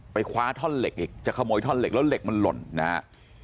คว้าท่อนเหล็กอีกจะขโมยท่อนเหล็กแล้วเหล็กมันหล่นนะฮะ